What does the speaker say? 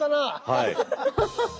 はい。